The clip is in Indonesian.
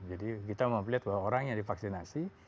jadi kita memperlihat bahwa orang yang divaksinasi